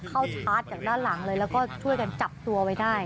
ชาร์จจากด้านหลังเลยแล้วก็ช่วยกันจับตัวไว้ได้